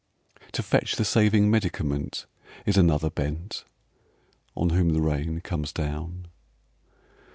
To fetch the saving medicament Is another bent, On whom the rain comes down.